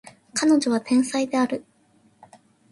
彼女は天才である